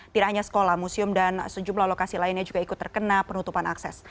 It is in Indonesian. tidak hanya sekolah museum dan sejumlah lokasi lainnya juga ikut terkena penutupan akses